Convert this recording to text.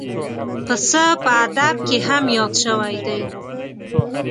پسه په ادب کې هم یاد شوی دی.